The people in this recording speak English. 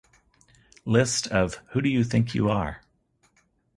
List of Who Do You Think You Are?